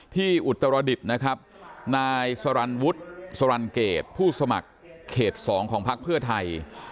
อุตรดิษฐ์นะครับนายสรรวุฒิสรรเกตผู้สมัครเขต๒ของพักเพื่อไทย